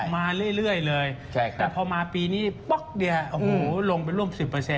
มาเรื่อยเลยแต่พอมาปีนี้ป๊อกเดียวโอ้โหลงไปร่วม๑๐